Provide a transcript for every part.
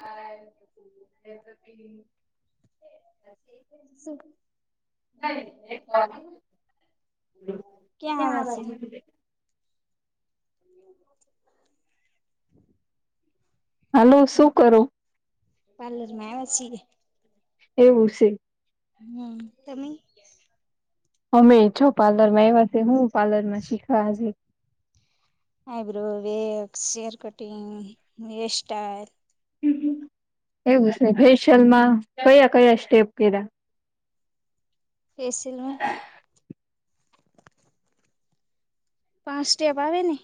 હ શું ક્યાં હાવાસી હ હલોો શું કરું પાર્ર મે વાસી એવું છે હ તમે અમે છો પાર્લર માં આવ છે હું પાર્લર માં શીખવાજ eyebrow wax hair cutting hairstyle એવું જ નહ ફેશિયલ માં કયા કયા સ્ટેપ કર્યા એસિલમાં પાંચ સ્ટેપ આવે ને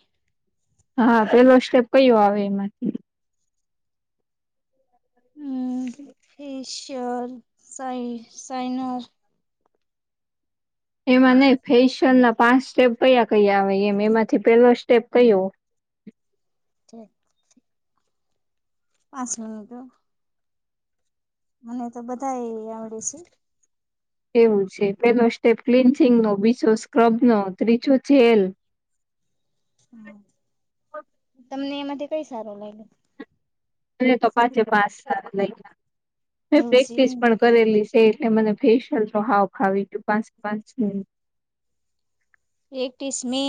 હા પેલો સ્ટેપ કયો આવે એમાંથી હમ, ફેસર સાઇનર એમાં નઈ ફેશિયલ ના પાંચ સ્ટેપ કયા કયા આવે એમ એમાંથી પેલો સ્ટેપ કયો. [inaudible] પાંચ મિનિટ મને તો બધા એ આવડે છે. એવું છે પેલો સ્ટેપ ક્લિન્સિંગ નો બીજો સ્ક્રબનો ત્રીજો જેલ તમને એમાંથી કઈ સારો લાગ્યો. મને તો પાંચે પાંચ સારા લાઈગા ને એવું છે પ્રેક્ટિસ એમને પણ કરેલી. તે એટલે મને ફેશિયલ નો હાવ ફાવી ગયું પાંચ પાંચ મિનિ એક્રીસ મે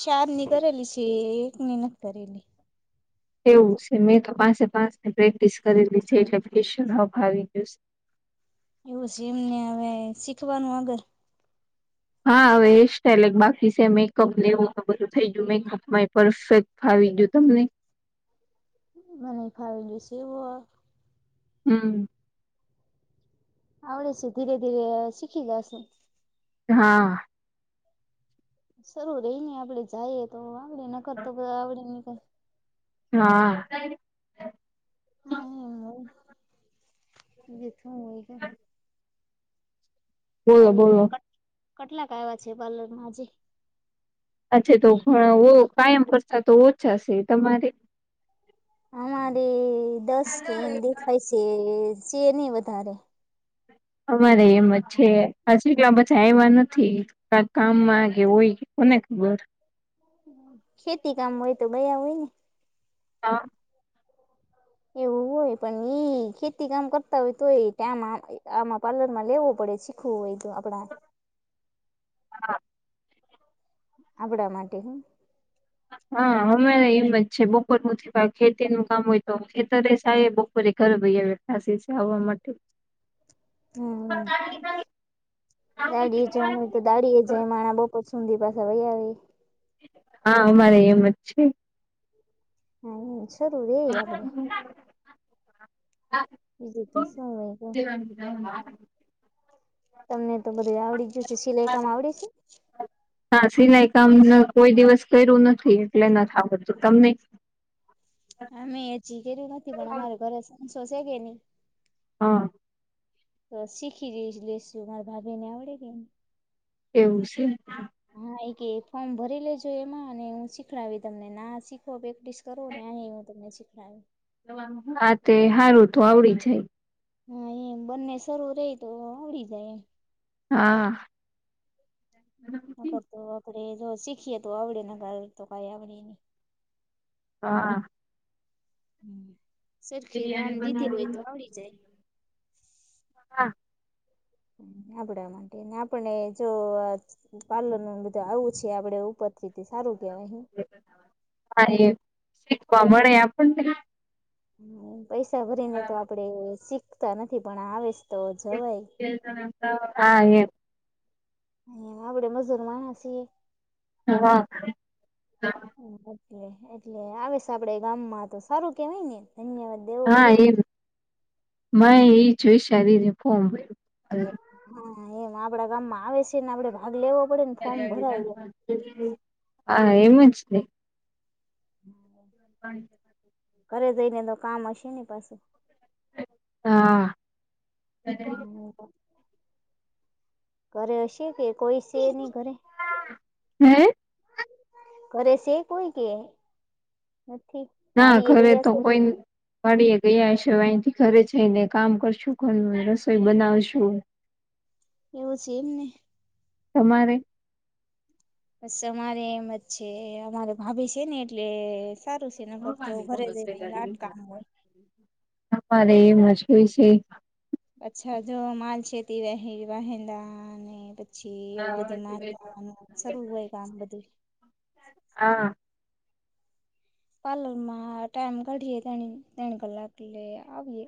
શાર ની કરેલી છે એકની નથી કરેલી. એવું છે મેં તો પાચે પાચ નુ પ્રેક્ટિસ કરેલી છે એટલે ફેશિયલ હાવ ફાવી ગયું છે. એવું જીમ ને હવે શીખવાનું અગર હા હવે હેર સ્ટાઈલ એક બાકી છે મેકઅપ ને એવું બધું થઈ ગયુ મેકઅપ માં એ પરફેક્ટ ફાવી ગયું તમને મને ફાવી ગયું સે હેવુ હ. હમ. આવડે છે ધીરે ધીરે એ શીખી જાશે. હા. શરૂ રહી ને આપડે જાઈએ તો આવડે ન કરતો આવડે નઈ કઈ. હા. હા જે [unintelligible] હોય કે બોલો પાલૅર બોલો માં કટ કેટલાક આયવા છે પાલૅરમાં આજે. અચ્છા તો ગળા હો કાયમ કરતા તો ઓછા છે તમારે અમારે દસ કે એમ દેખાય સે છે નહી વધારે અમારે એમ જ છે હજી કેટલા આયવા બધા નથી. કાક કામમાં કે હોય કે કોને ખબર. ખેતી કામ હોય તો ગયા હોય ને. હા. એવું હોય પણ એઈ ખેતી કામ કરતા હોય તો એ કામ આમાં પાર્લરમાં લેવો પડે છે. ખું હોય તો આપડા હા. આપડા માટે હ. હા અમારે એમ જ છે બપોરનું થી ખેતીનું કામ હોય તો ખેતરે જાયે બ પૂરી કરે ભાઈ હવે કલાસીસ જાવા માટે. હમ વાડીએ જવાનું હોય તો. દાડીએ જ માણણા [unintelligible] બહુ સુંંધી પાસે વૈયા આવી. હા અમારે એમ જ છે. ના જરૂર રે આપણે બીજુ તો સુ હે કે. [inaudible] તમને તો બધું આવડી જ ગયુ છે સિલાઈ કામ આવડે છે. હા સિલાઈ કામ અ કોઈ દિવસ કર્યું નથી એટલે નથી આવડતું તમને અમે એજી કર્યું નથી પણ અમારે ઘરે સંચો છે કે ની હા. તો શીખી રઈ લેશું મારે ભાભી ને આવડે કેની. એવું છે. હા એ કે ફોર્મ ભરી લેજો એમાં અને હું શીખડાવી તમને ના શીખો પ્રેકટિસ કરો ને અહી હું તમને શીખડાવી. હા તે હારું તો આવડી જાય. હા એમ બંને સરું રે તો આવડી જાય એમ. હા. ન કરતો આપણે જો શીખીએ તો આવડે નકા તો કઈ આવડે નહી. હા. હ સરખી બિરિયાની ધ્યાન દીધી બનાવી હોય તો આવડી જાય. હા. આપડા માટે ને આપને જો. પાલર નુંન બધું આવું છે આપડે ઉપર થી તી સારું કેવાય હે. હા એમ શીખવા મળે આપણને. હમ્મ, પૈસા ભરી ને તો આપડે શીખતા નથી પણ આવે છ હા એમ. એ આપડે મજૂર માણા સીએ. હા. એટલે-એટલે આવે સે આપડે ગામમાં તો સારું કેવાય ને, ધન્યવાદ દેવો પડે હા એ મૈ ઈ જ વિસારીને ફોર્મ ભયરું. હા એમ. આપડા ગામમાં આવે સે ને આપડે ભાગ લેવો પડે ને ફોર્મ ભરાય એ. હા એમ જને. [inaudible] પાણી ઘરે જઈ ને તો કામ હશે ને પાસું. હા. ઘરે હશે કે કોઈ સે નહીં ઘરે? હે? ઘરે સે કોઈ કે નથી? ના વાડીએ ઘરે ગયા તો છે. કોઈ વાડી એ ગયા હશે, હવે અહીથી ઘરે જઈને કામ કરશું ઘર, રસોઈ બનાવશું. એવું સે એમ ને. તમારે? બસ અમારે એમ જ છે. અમારે ભાભી છે ને એટલે સારું સ નકર તો ઘરે જઈને લાટ કામ હોય. અમારેય એમજ હોય સે. પાછા જો માલ છેેતી રહે વહેંદા ને પછ છી એવું હા બધું [inaudible] નું શરૂ હોય કામ બધુંય. આ પાર્લર માં ટાઈમ કાઢીએે ત્યન-ત્યન કલાક એટલે આવીએ.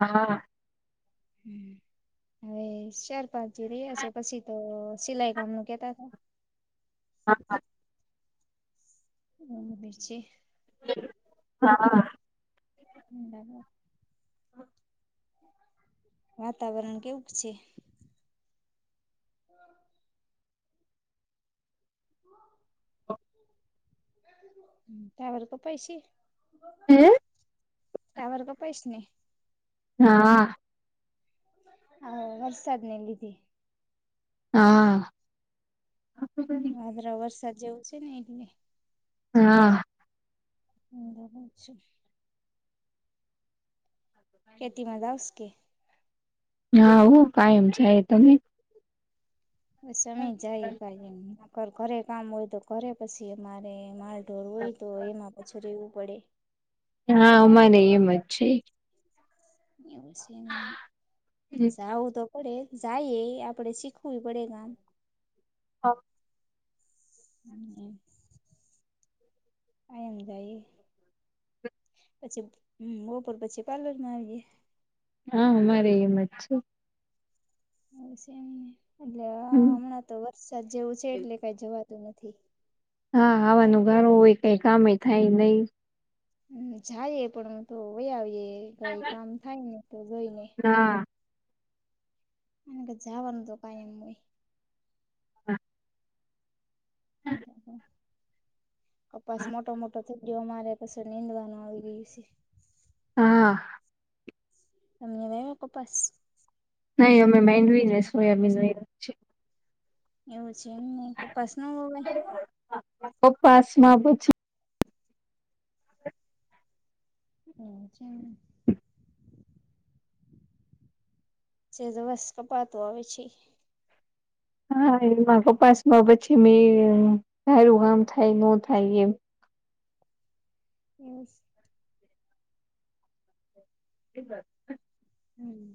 હા. હમ્મ. હવે સારર પાંચ દી રહ્યા સે પછી તો સિલાઈ કામ નું કેતા હતા. [unintelligible] હમ્મ મિર્ચી હા. [unintelligible] વાતાવરણ કેવુંક છે? [inaudible] હમ્મ, ટાવર કપાય સે? હે? ટાવર કપાઈશ ને? હા. આ વરસાદને લીધે. હા. વાદળા વરસાદ જેવું છે ને એટલે. હા. [unintelligible] ખેતીમાં જાવશ કે હા હો કાયમ જાઈએ. તમે? બસ અમે જાઈએ કાયમ, અગર ઘરે કામ હોય તો ઘરે, પછી અમારે માલ ઢોર હોય તો એમાં પાછું રહેવું પડે. હા અમારેય એમ જ છે. એવું સે [unintelligible] જાઉં તો પડે જઈએ આપડે શીખવું પડે ગામ હા હમ આમ જાય પછી બપોર પછી પાર્લર માં આવીએ હા અમારે એમજ છે હ છે ને એટલે હમ મણા તો વરસાદ જેવું છે એટલે કઈ જવાતું નથી હા હવારનું ગરું હોય કઈ કામે થાય નહી હ જઈએ પણ તો વહી આવીએે કઈ કામ થાય ને તો જોઈને હા અને કે જવાનું તો ટાઈમ નઈ હા [inaudible] કપાસ મોટો મોટો થઈ જોવામાં આવે પસી નીંદવાનું આવી ગયું છે હા [unintelligible] કપાસ નહી અમે મેદવી [unintelligible] એવું છે એમ ને કપાસ ન હોય પપ્પાસ માં પછી એવુ છે એમ છે તો બસ કપાતું આવે છે હા એમાં કપાસ માં પછી મેં સારું કામ થાય ન થાય એમ એસ એબ ક હમ